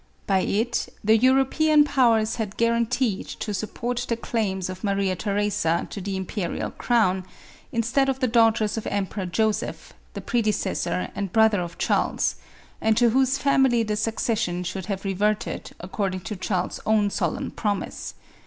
By it, the European powers had guaranteed to support the claims of Maria Theresa to the imperial crown, instead of the daughters of Em peror Joseph, the predecessor and brother of Charles, and to whose family the succession should have^e verted according to Charles' own solemn promise.